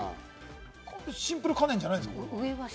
シンプル可燃じゃないんですか？